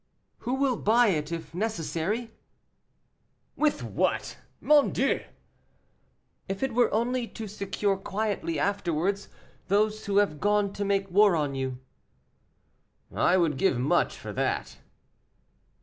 "Who will buy it if necessary." "With what? mon Dieu!" "If it were only to secure quietly, afterwards, those who have gone to make war on you." "I would give much for that."